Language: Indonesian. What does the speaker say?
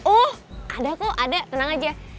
uh ada kok ada tenang aja